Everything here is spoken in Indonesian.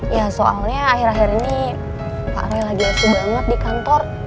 ya soalnya akhir akhir ini pak ami lagi asli banget di kantor